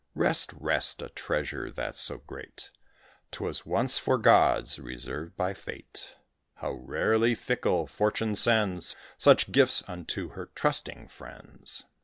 Rest, rest; a treasure that's so great 'Twas once for gods reserved by Fate; How rarely fickle Fortune sends Such gifts unto her trusting friends.